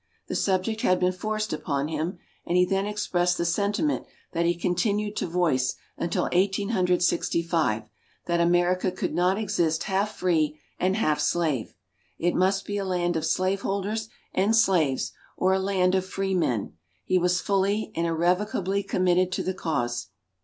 The subject had been forced upon him, and he then expressed the sentiment that he continued to voice until Eighteen Hundred Sixty five, that America could not exist half free and half slave. It must be a land of slaveholders and slaves, or a land of free men he was fully and irrevocably committed to the cause.